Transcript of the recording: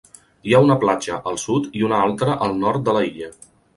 Hi ha una platja al sud i una altra al nord de l'illa.